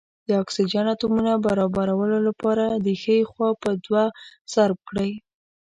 د اکسیجن اتومونو برابرولو لپاره ښۍ خوا په دوه ضرب کړئ.